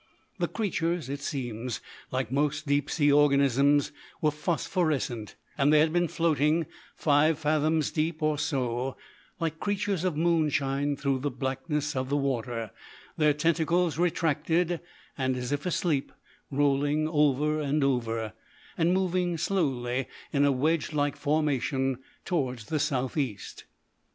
The creatures, it seems, like most deep sea organisms, were phosphorescent, and they had been floating, five fathoms deep or so, like creatures of moonshine through the blackness of the water, their tentacles retracted and as if asleep, rolling over and over, and moving slowly in a wedge like formation towards the south east.